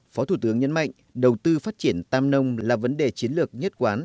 phó thủ tướng nhấn mạnh đầu tư phát triển tam nông là vấn đề chiến lược nhất quán